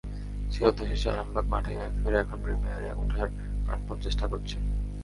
সেই অধ্যায় শেষে আরামবাগ মাঠে ফিরে এখন প্রিমিয়ারে ওঠার প্রাণপণ চেষ্টা করছে।